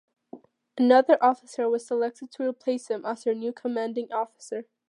Another officer was selected to replace him as her new commanding officer.